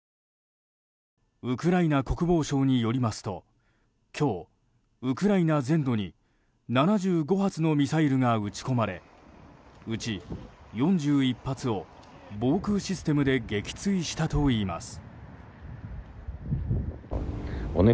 ウクライナ国防省によりますと今日、ウクライナ全土に７５発のミサイルが撃ち込まれうち４１発を防空システムで撃墜したといいます。